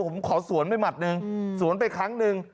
ผมขอสวนไปหมัดหนึ่งสวนไปครั้งหนึ่ง